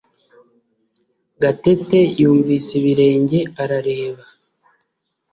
Gatete yumvise ibirenge arareba